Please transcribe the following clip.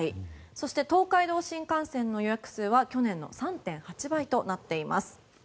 そして東海道新幹線の予約数は去年の３．８倍となっています。